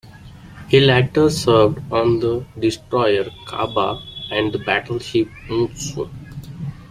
He later served on the destroyer "Kaba" and battleship "Mutsu".